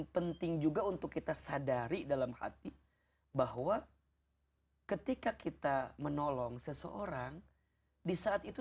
penting juga untuk kita sadari dalam hati bahwa ketika kita menolong seseorang di saat itu